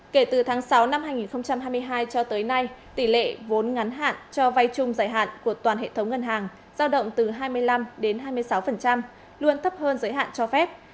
kể từ tháng sáu năm hai nghìn hai mươi hai cho tới nay tỷ lệ vốn ngắn hạn cho vay chung giải hạn của toàn hệ thống ngân hàng giao động từ hai mươi năm đến hai mươi sáu luôn thấp hơn giới hạn cho phép